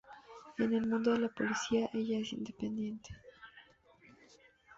En el mundo de la política ella es independiente.